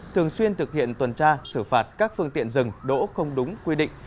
thường xuyên thực hiện tuần tra xử phạt các phương tiện rừng đỗ không đúng quy định